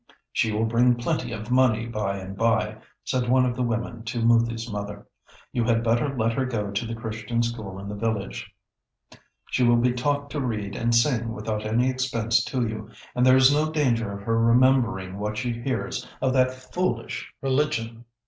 "She will bring plenty of money by and by," said one of the women to Moothi's mother. "You had better let her go to the Christian school in the village. She will be taught to read and sing without any expense to you, and there is no danger of her remembering what she hears of that foolish religion."